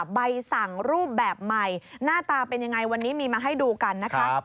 ใบสั่งรูปแบบใหม่หน้าตาเป็นยังไงวันนี้มีมาให้ดูกันนะคะ